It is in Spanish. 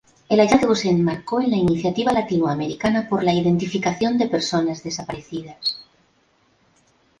El hallazgo se enmarcó en la Iniciativa Latinoamericana por la Identificación de Personas Desaparecidas.